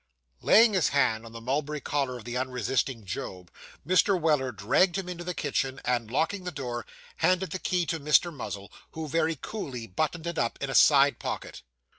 Laying his hand on the mulberry collar of the unresisting Job, Mr. Weller dragged him into the kitchen; and, locking the door, handed the key to Mr. Muzzle, who very coolly buttoned it up in a side pocket.